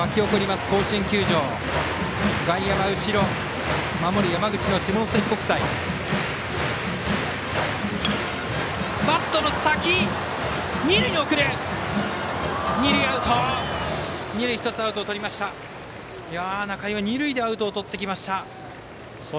仲井は二塁でアウトをとってきました。